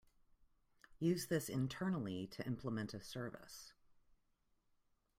Use this internally to implement a service.